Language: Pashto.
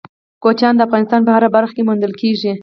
کوچیان د افغانستان په هره برخه کې موندل کېږي.